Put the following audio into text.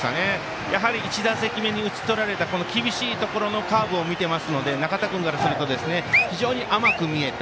やはり１打席目に打ち取られた厳しいところのカーブを見てますので、仲田君からすると非常に甘く見えた。